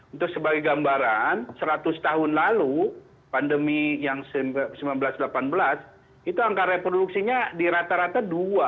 untuk sebagai gambaran seratus tahun lalu pandemi yang seribu sembilan ratus delapan belas itu angka reproduksinya di rata rata dua